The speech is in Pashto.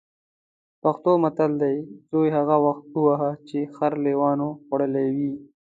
پښتو متل: زوی هغه وخت وهه چې خر لېوانو خوړلی وي.